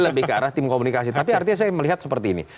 lebih ke arah tim komunikasi tapi artinya saya melihat seperti ini